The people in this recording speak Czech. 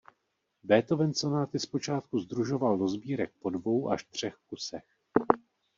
Beethoven sonáty zpočátku sdružoval do sbírek po dvou až třech kusech.